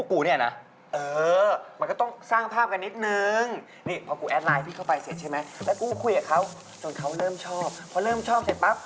กูหลอกคำนี้มานานแล้วนะครับ